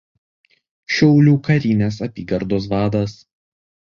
Šiaulių karinės apygardos vadas.